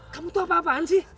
kamu tuh apa apaan sih